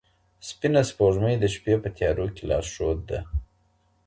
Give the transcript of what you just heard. سپینه سپوږمۍ د شپې په تیارو کې لارښود ده.